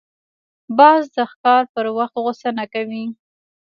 باز د ښکار پر وخت غوسه نه کوي